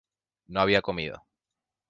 no había comido